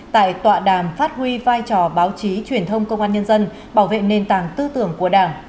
tại tọa đàm phát huy vai trò báo chí truyền thông công an nhân dân bảo vệ nền tảng tư tưởng của đảng